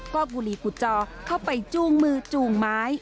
ก็บุหรี่กุจอเข้าไปจูงมือจูงไม้